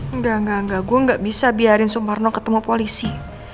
enggak gue gak bisa biarin sumarno ketemu polisi